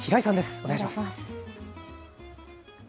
お願いします。